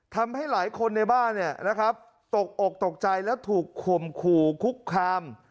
ทำให้หลายคนในบ้านเนี่ยนะครับตกอกตกใจและถูกข่มขู่คุกคาม